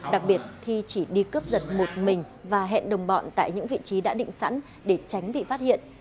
đặc biệt thi chỉ đi cướp giật một mình và hẹn đồng bọn tại những vị trí đã định sẵn để tránh bị phát hiện